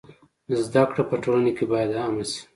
زده کړه په ټولنه کي بايد عامه سي.